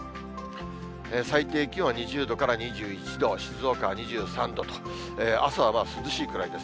最低気温は２０度から２１度、静岡は２３度と、朝は涼しいくらいです。